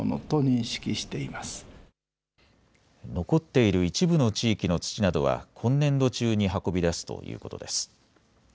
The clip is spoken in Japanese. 残っている一部の地域の土などは今年度中に運び出すということです。